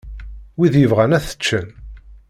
Wid yebɣan ad t-ččen.